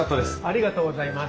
ありがとうございます。